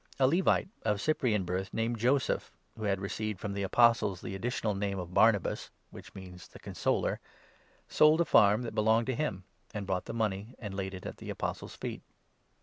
A Levite of 36 Cyprian birth, named Joseph, (who had received from the Apostles the additional name of ' Barnabas '— which means ' The Consoler, ') sold a farm that belonged to him, and brought 37 the money and laid it at the Apostles' feet.